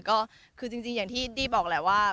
ก็คือจริงอย่างที่ดี้บอกแหละว่า